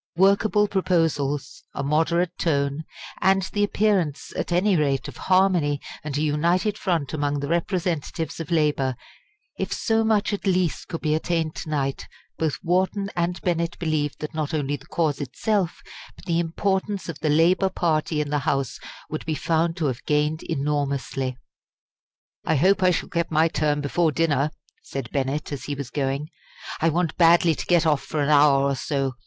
Workable proposals a moderate tone and the appearance, at any rate, of harmony and a united front among the representatives of labour if so much at least could be attained to night, both Wharton and Bennett believed that not only the cause itself, but the importance of the Labour party in the House would be found to have gained enormously. "I hope I shall get my turn before dinner," said Bennett, as he was going; "I want badly to get off for an hour or so.